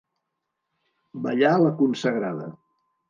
Ballar la consagrada.